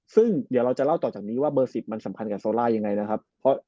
ซึ่งเดี๋ยวเราจะเล่าต่อจากนี้ว่าเบอร์๑๐มันสำคัญกับโซล่ายังไงนะครับ